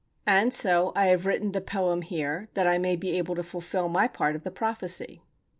And so I have written "the poem" here, that I may be able to fulfil my part of the prophecy.